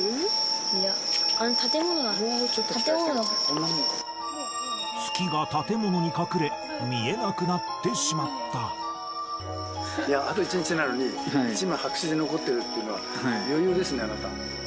いや、月が建物に隠れ、見えなくなあと１日なのに、１枚白紙で残っているっていうのは、余裕ですね、あなた。